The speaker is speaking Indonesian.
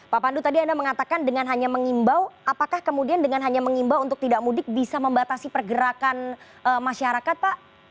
pak pandu tadi anda mengatakan dengan hanya mengimbau apakah kemudian dengan hanya mengimbau untuk tidak mudik bisa membatasi pergerakan masyarakat pak